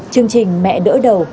chương trình mẹ đỡ đầu